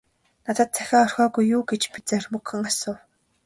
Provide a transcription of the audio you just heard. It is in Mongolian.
- Надад захиа орхиогүй юу гэж би зоримогхон асуув.